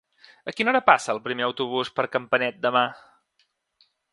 A quina hora passa el primer autobús per Campanet demà?